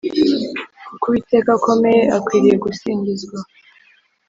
Kuko Uwiteka akomeye akwiriye gusingizwa